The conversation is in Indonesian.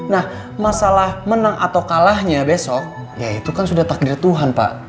nah masalah menang atau kalahnya besok ya itu kan sudah takdir tuhan pak